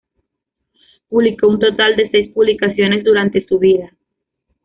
Publicó un total de seis publicaciones durante su vida.